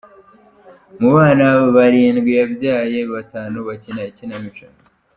Mu bana bana barindwi yabyaye, batanu bakina ikinamico.